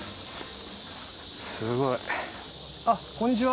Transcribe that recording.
すごい。あっこんにちは。